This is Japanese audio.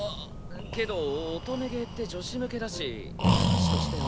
けど乙女ゲーって女子向けだし男子としては。